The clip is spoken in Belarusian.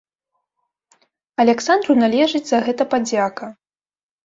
Аляксандру належыць за гэта падзяка.